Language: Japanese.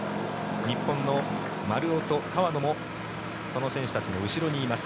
日本の丸尾と川野もこの選手たちの後ろにいます。